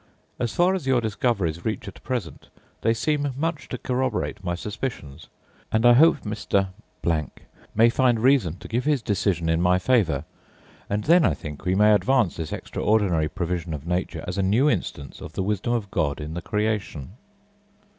As far as your discoveries reach at present, they seem much to corroborate my suspicions; and I hope Mr. … may find reason to give his decision in my favour; and then, I think, we may advance this extraordinary provision of nature as a new instance of the wisdom of God in the creation.